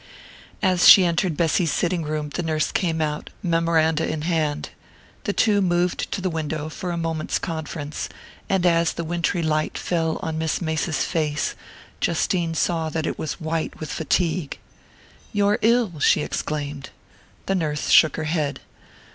As she entered Bessy's sitting room the nurse came out, memoranda in hand. The two moved to the window for a moment's conference, and as the wintry light fell on Miss Mace's face, Justine saw that it was white with fatigue. "You're ill!" she exclaimed. The nurse shook her head.